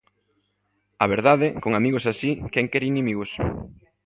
A verdade, con amigos así, ¿quen quere inimigos?